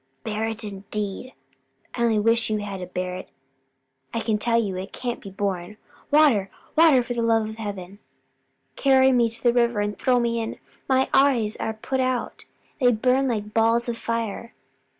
"Bear it indeed! I only wish you had it to bear. I tell you it can't be borne! Water, water, for the love of heaven! carry me to the river and throw me in. My eyes are put out; they burn like balls of fire."